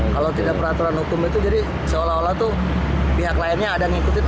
kalau tidak peraturan hukum itu jadi seolah olah tuh pihak lainnya ada ngikutin